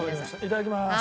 いただきます。